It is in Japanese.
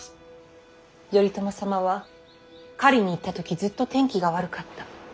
頼朝様は狩りに行った時ずっと天気が悪かった。